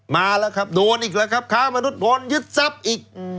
มาแล้วครับโดนอีกแล้วครับค้ามนุษยพลยึดทรัพย์อีก